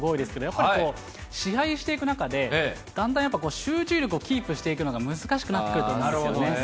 やっぱりこう、試合していく中で、だんだんやっぱ集中力をキープしていくのが難しくなってくると思うんですよね。